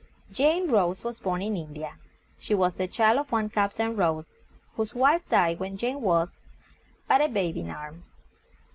Jane Rose was born in IN DI A. She was the child of one Cap tain Rose, whose wife died when Jane was but a babe in arms.